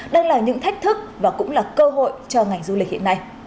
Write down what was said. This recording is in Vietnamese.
đang là những thách thức và cũng là cơ hội cho ngành du lịch hiện nay